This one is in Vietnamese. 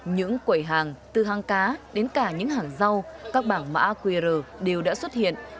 những quẩy hàng từ hàng cá đến cả những hàng rau các bảng mã qr đều đã xuất hiện